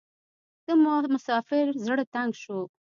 د مسافر زړه تنګ شو .